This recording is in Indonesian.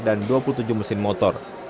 dan dua puluh tujuh mesin motor